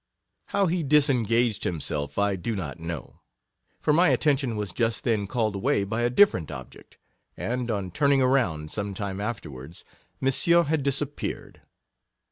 How he disengaged himself I do not know, for my attention was just then called away by a different object ; and on turning around some time afterwards, Monsieur had disappeared.